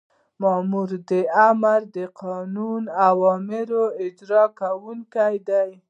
مامور د آمر د قانوني اوامرو اجرا کوونکی دی.